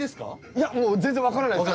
いや全然分からないです。